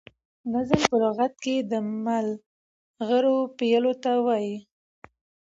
نظم په لغت کي د ملغرو پېيلو ته وايي.